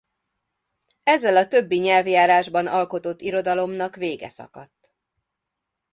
Ezzel a többi nyelvjárásban alkotott irodalomnak vége szakadt.